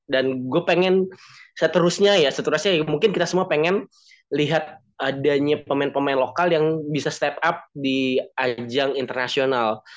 dan gue pengen seterusnya ya seterusnya ya mungkin kita semua pengen lihat adanya pemain pemain lokal yang bisa step up di ajang international